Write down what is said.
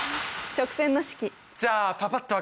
直線の式。